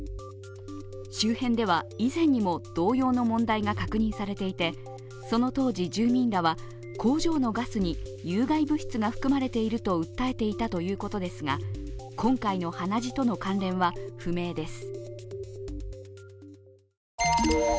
周辺では、以前にも同様の問題が確認されていて、その当時、住民らは工場のガスに有害物質が含まれていると訴えていたということですが、今回の鼻血との関連は不明です。